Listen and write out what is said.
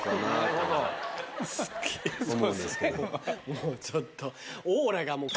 もうちょっと。